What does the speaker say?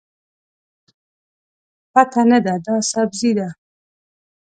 پته نه ده، دا سبزي ده.